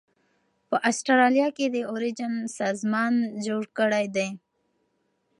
په اسټرالیا کې د اوریجن سازمان ځای جوړ کړی دی.